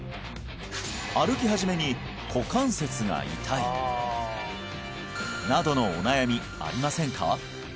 歩き始めに股関節が痛いなどのお悩みありませんか？